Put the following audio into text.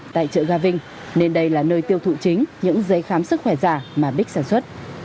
tại chợ ga vinh nên đây là nơi tiêu thụ chính những giấy khám sức khỏe giả mà bích sản xuất